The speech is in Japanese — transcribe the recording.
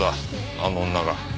あの女が。